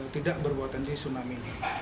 tidak berpotensi tsunami